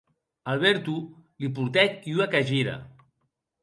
Alberto li portèc ua cagira.